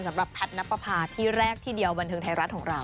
สำหรับแพทย์นับประพาที่แรกที่เดียวบันเทิงไทยรัฐของเรา